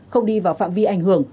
không đi vào phạm vi ảnh hưởng